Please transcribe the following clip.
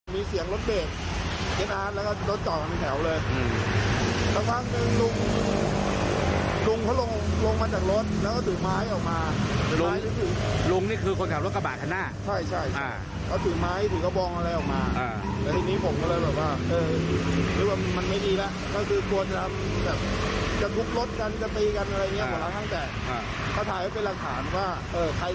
มีเสียงรถเบรกเจ็ดอาร์ดแล้วก็รถจอดตรงแถวเลย